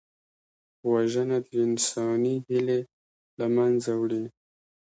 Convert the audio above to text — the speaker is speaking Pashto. وژنه د انساني هیلې له منځه وړي